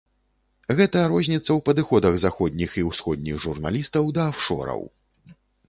Гэта розніца ў падыходах заходніх і ўсходніх журналістаў да афшораў.